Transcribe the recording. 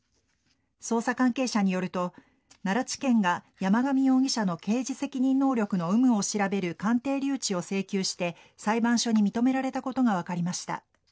捜査関係者によると奈良地検が山上容疑者の刑事責任能力の有無を調べる鑑定留置を請求して裁判所に認められたことが分かりました。